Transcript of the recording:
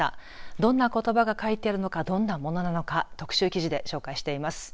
どんなことばが書いてあるのかどんなものなのか特集記事で紹介しています。